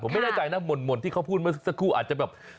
ไม่แน่ใจนะหม่นที่เขาพูดเมื่อสักครู่อาจจะแบบ